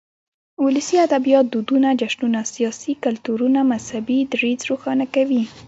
ولسي ادبيات دودنه، جشنونه ،سياسي، کلتوري ،مذهبي ، دريځ روښانه کوي.